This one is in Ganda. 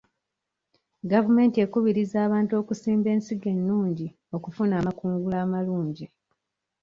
Gavumenti ekubiriza abantu okusimba ensigo ennungi okufuna amakungula amalungi.